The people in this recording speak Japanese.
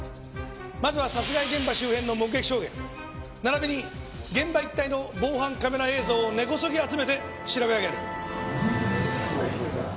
まずは殺害現場周辺の目撃証言並びに現場一帯の防犯カメラ映像を根こそぎ集めて調べ上げる。